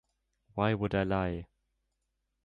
Why Would I Lie?